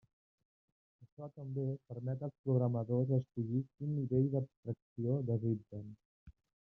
Això també permet als programadors escollir quin nivell d'abstracció desitgen.